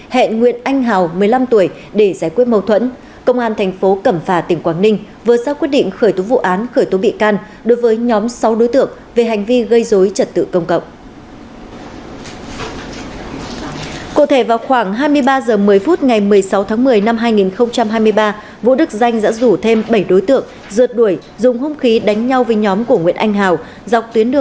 hãy nhớ đăng ký kênh để nhận thông tin nhất